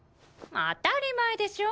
当たり前でしょ。